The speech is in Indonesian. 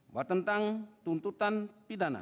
buat tentang tuntutan pidana